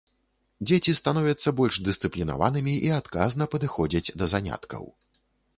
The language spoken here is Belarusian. Дзеці становяцца больш дысцыплінаванымі і адказна падыходзяць да заняткаў.